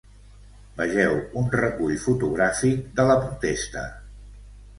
Vegeu un recull fotogràfic de la protesta.